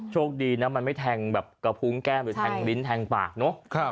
โชคดีนะมันไม่แทงแบบกระพุงแก้มหรือแทงลิ้นแทงปากเนอะ